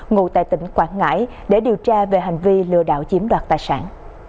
ngụ tại tỉnh quảng ngãi để điều tra về hành vi lừa đảo chiếm đoạt tài sản